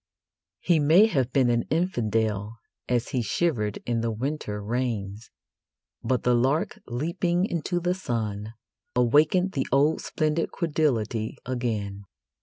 He may have been an infidel as he shivered in the winter rains, but the lark leaping into the sun awakened the old splendid credulity again.